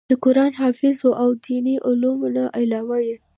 د قران حافظ وو او د ديني علومو نه علاوه ئې